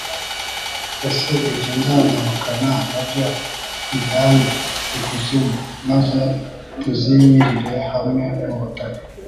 ese ibyo nzamanukana na byo tujyane ikuzimu, maze tuzimirire hamwe mu butaka